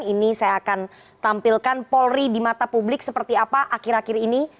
ini saya akan tampilkan polri di mata publik seperti apa akhir akhir ini